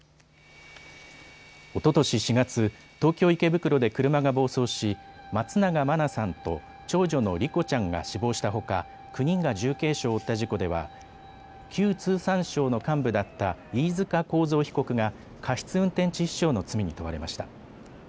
おととし４月、東京池袋で車が暴走し松永真菜さんと長女の莉子ちゃんが死亡したほか９人が重軽傷を負った事故では旧通産省の幹部だった飯塚幸三被告が過失運転致死傷の罪に問われました。